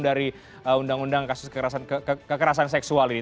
dari undang undang kasus kekerasan seksual ini